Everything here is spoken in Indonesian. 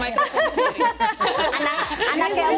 bawa microphone sendiri